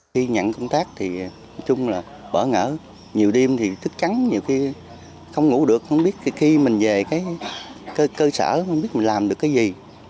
khi nhận công tác thì bở ngỡ nhiều đêm thì thức trắng nhiều khi không ngủ được không biết khi mình về cơ sở không biết mình làm được cái gì